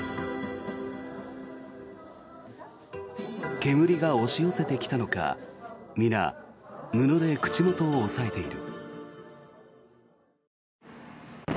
煙が押し寄せてきたのか皆、布で口元を押さえている。